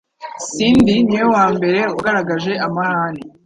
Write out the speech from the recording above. Cindy niwe wambere wagaragaje amahane